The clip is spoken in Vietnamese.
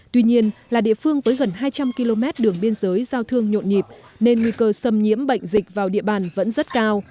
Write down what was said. tuy nhiên là địa phương với gần hai trăm linh km đường biên giới giao thương nhộn nhịp nên nguy cơ xâm nhiễm bệnh dịch vào địa bàn vẫn rất cao